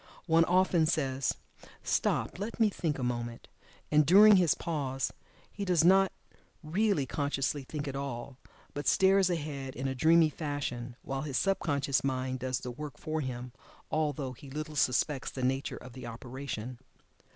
One often says "stop, let me think a moment," and during his pause he does not really consciously think at all, but stares ahead in a dreamy fashion, while his sub conscious mind does the work for him, although he little suspects the nature of the operation.